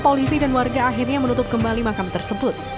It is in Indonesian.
polisi dan warga akhirnya menutup kembali makam tersebut